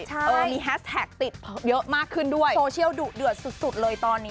ใช่มีแฮสแท็กติดเยอะมากขึ้นด้วยโซเชียลดุเดือดสุดเลยตอนนี้